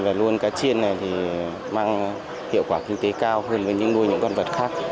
và luôn cá chiên này thì mang hiệu quả kinh tế cao hơn với những nuôi những con vật khác